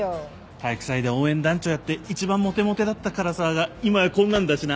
体育祭で応援団長やって一番モテモテだった唐沢が今はこんなんだしな。